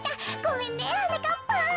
ごめんねはなかっぱん。